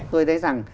tôi thấy rằng